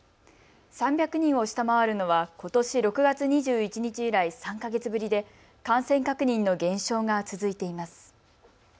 ３００人を下回るのはことし６月２１日以来３か月ぶりで感染確認の減少が続いています。